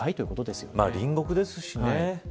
まあ、隣国ですしね。